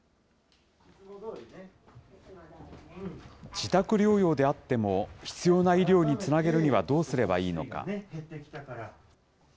自宅療養であっても、必要な医療につなげるにはどうすればいいのか。